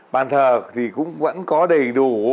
bàn thờ thì cũng vẫn có đầy đủ